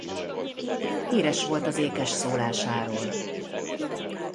Híres volt az ékesszólásáról.